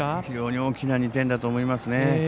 非常に大きな２点だと思います。